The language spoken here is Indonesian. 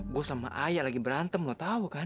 gue sama ayah lagi berantem gak tau kan